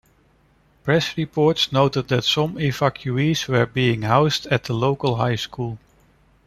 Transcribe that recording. Press reports noted that some evacuees were being housed at the local high school.